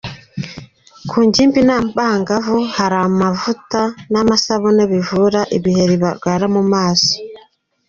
Ku ngimbi n’abangavu hari amavuta n’amasabune bivura ibiheri barwara mu maso.